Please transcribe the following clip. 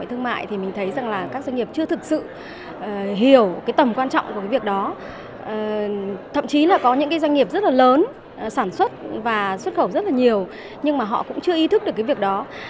thậm chí là có những doanh nghiệp rất là lớn sản xuất và xuất khẩu rất là nhiều nhưng mà họ cũng chưa ý thức được cái việc đó